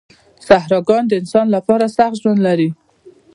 صحراګان د انسان لپاره سخت ژوند لري.